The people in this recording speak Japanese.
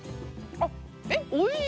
あっえっおいしい！